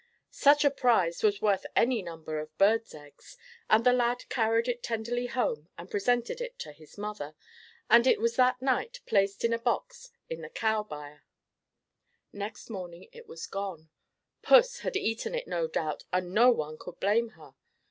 Such a prize was worth any number of birds' eggs, and the lad carried it tenderly home and presented it to his mother, and it was that night placed in a box in the cow byre. Next morning it was gone puss had eaten it no doubt, and no one could blame her.